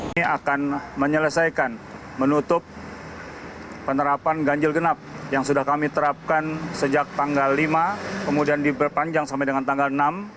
ini akan menyelesaikan menutup penerapan ganjil genap yang sudah kami terapkan sejak tanggal lima kemudian diperpanjang sampai dengan tanggal enam